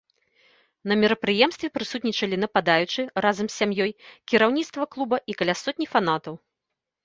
На мерапрыемстве прысутнічалі нападаючы разам з сям'ёй, кіраўніцтва клуба і каля сотні фанатаў.